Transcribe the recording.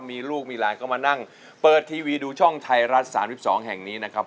มีลูกมีหลานก็มานั่งเปิดทีวีดูช่องไทยรัฐ๓๒แห่งนี้นะครับ